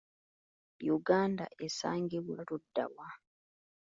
Uganda esangibwa luddawa?